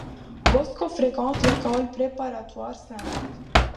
Bosco fréquente l'école préparatoire St.